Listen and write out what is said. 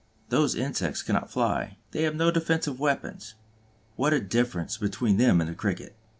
Those insects cannot fly, they have no defensive weapons. What a difference between them and the Cricket!